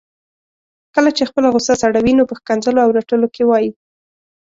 کله چي خپله غصه سړوي نو په ښکنځلو او رټلو کي وايي